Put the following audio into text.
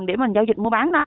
để mình giao dịch mua bán